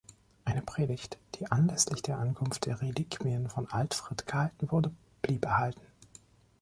Eine Predigt, die anlässlich der Ankunft der Reliquien von Altfrid gehalten wurde, blieb erhalten.